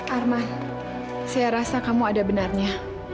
arma saya rasa kamu ada benarnya